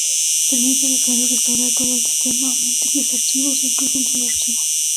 Permite al usuario restaurar todo el sistema, múltiples archivos o incluso un solo archivo.